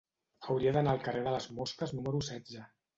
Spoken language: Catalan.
Hauria d'anar al carrer de les Mosques número setze.